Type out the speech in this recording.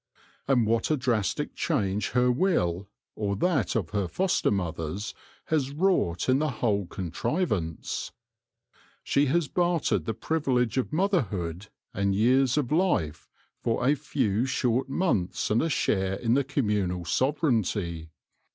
And what a drastic change her will, or that of her foster mothers, has wrought in the whole con trivance ! She has bartered the privilege of mother hood and years of life for a few short months and a share in the communal sovereignty.